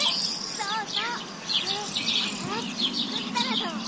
そうそうそれあたらしくつくったらどう？